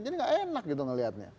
jadi nggak enak gitu ngeliatnya